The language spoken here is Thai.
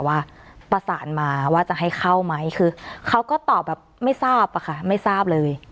ว่าประสานมาว่าจะให้เข้าไหมคือเขาก็ตอบแบบไม่ทราบอะค่ะไม่ทราบเลย